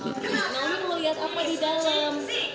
nanti mau lihat apa di dalam